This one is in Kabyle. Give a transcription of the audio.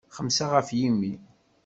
Xemsa ɣef yimi.